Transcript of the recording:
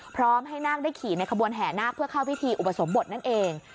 พร้อมให้นาคได้ขี่ในขบวนแห่นาคเพื่อเข้าพิธีอุปสมบทนั่นเอง